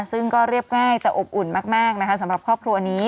ซึ่งก็เรียบง่ายแต่อบอุ่นมากนะคะสำหรับครอบครัวนี้